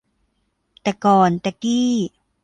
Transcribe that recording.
แต่ก่อนแต่กี้